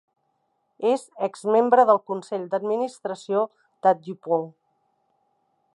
És exmembre del consell d'administració de DuPont.